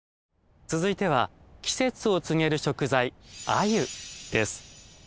続いては季節を告げる食材鮎です。